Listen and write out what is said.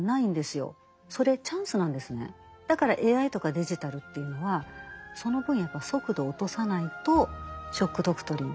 だからＡＩとかデジタルというのはその分やっぱり速度を落とさないと「ショック・ドクトリン」